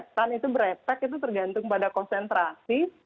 disinfektan itu beretek itu tergantung pada konsentrasi